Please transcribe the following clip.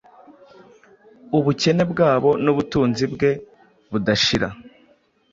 ubukene bwabo n’ubutunzi bwe budashira.